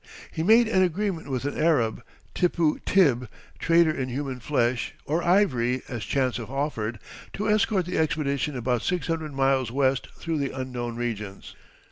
He made an agreement with an Arab, Tippu Tib, trader in human flesh or ivory as chance offered, to escort the expedition about six hundred miles west through the unknown regions.